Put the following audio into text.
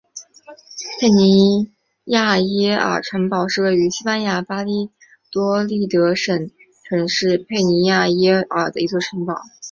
佩尼亚菲耶尔城堡是位于西班牙巴利亚多利德省城市佩尼亚菲耶尔的一座城堡。